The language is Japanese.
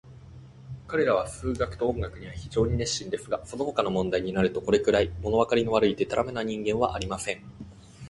彼等は数学と音楽には非常に熱心ですが、そのほかの問題になると、これくらい、ものわかりの悪い、でたらめな人間はありません。